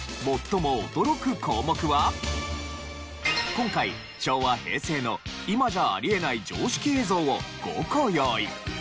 今回昭和平成の今じゃあり得ない常識映像を５個用意。